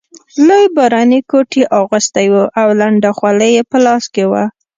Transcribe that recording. لوی باراني کوټ یې اغوستی وو او لنده خولۍ یې په لاس کې وه.